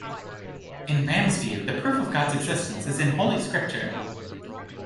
In Ramm's view, the proof of God's existence is in Holy Scripture.